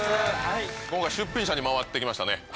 今回出品者に回ってきましたね。